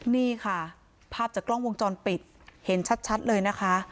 นี่ค่ะภาพจากกล้องวงจรปิดเห็นชัดเลยนะคะ